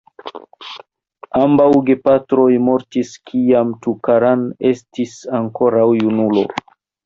Ambaŭ gepatroj mortis kiam Tukaram estis ankoraŭ junulo.